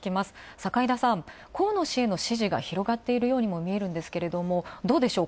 坂井田さん河野氏への支持が広がっているようにもみえるんですがどうでしょう？